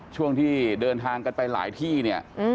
ช่วงที่เดินทางกันไปหลายที่เนี่ย